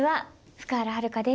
福原遥です。